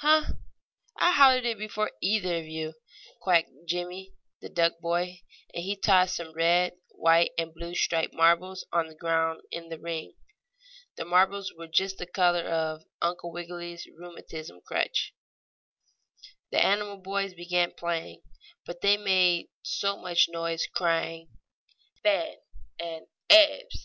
"Huh! I hollered it before either of you," quacked Jimmie, the duck boy, and he tossed some red, white and blue striped marbles on the ground in the ring. The marbles were just the color of Uncle Wiggily's rheumatism crutch. The animal boys began playing, but they made so much noise, crying "Fen!" and "Ebbs!"